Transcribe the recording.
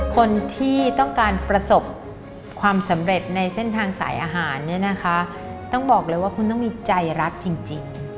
คนที่ต้องการประสบความสำเร็จในเส้นทางสายอาหารเนี่ยนะคะต้องบอกเลยว่าคุณต้องมีใจรักจริง